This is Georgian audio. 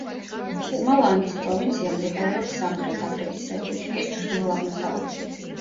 მპუმალანგის პროვინცია მდებარეობს სამხრეთ აფრიკის რესპუბლიკის ჩრდილო-აღმოსავლეთით.